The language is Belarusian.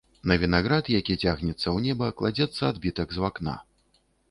На вінаград, які цягнецца ў неба, кладзецца адбітак з вакна.